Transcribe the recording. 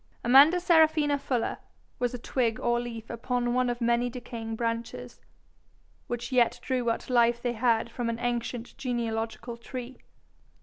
Amanda Serafina Fuller was a twig or leaf upon one of many decaying branches, which yet drew what life they had from an ancient genealogical tree.